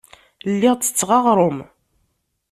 Lliɣ ttetteɣ aɣrum.